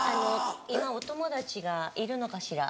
今お友達がいるのかしら？